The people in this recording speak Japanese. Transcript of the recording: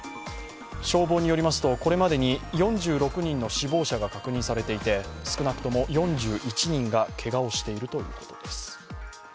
消防によりますとこれまでに４６人の死亡者が確認されていて少なくとも４１人がけがをしているということです。